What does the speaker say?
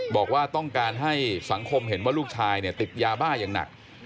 บอกว่าต้องการให้สังคมเห็นว่าลูกชายติดยาบ้าอย่างหนัก